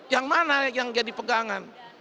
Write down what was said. yang mana yang jadi pegangan